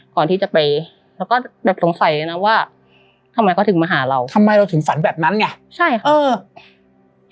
ก่อนที่จะไปแล้วก็แบบสงสัยเลยนะว่าทำไมเขาถึงมาหาเราทำไมเราถึงฝันแบบนั้นไงใช่เออ